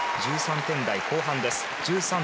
１３点台後半です。